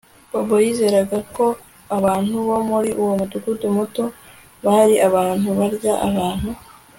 Bobo yizeraga ko abantu bo muri uwo mudugudu muto bari abantu barya abantu